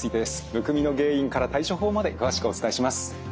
むくみの原因から対処法まで詳しくお伝えします。